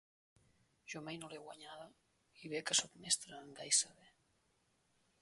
Jo mai no l'he guanyada i bé que sóc mestre en gai saber.